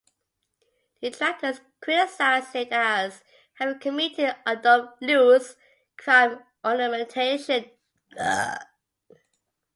Detractors criticized it as having committed Adolf Loos's "crime of ornamentation".